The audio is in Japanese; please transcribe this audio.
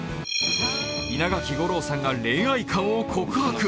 稲垣吾郎さんが恋愛観を告白。